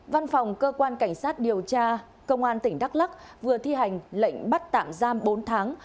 văn phòng cơ quan cảnh sát điều tra công an tỉnh đắk lắc vừa thi hành lệnh bắt tạm giam bốn tháng